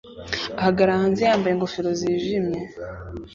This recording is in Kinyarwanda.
ahagarara hanze yambaye ingofero zijimye